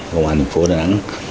công an thành phố đà nẵng